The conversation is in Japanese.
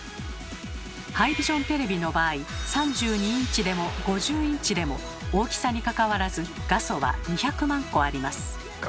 ハイビジョンテレビの場合３２インチでも５０インチでも大きさにかかわらず画素は２００万個あります。